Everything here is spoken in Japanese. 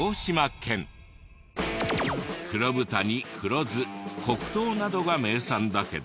黒豚に黒酢黒糖などが名産だけど。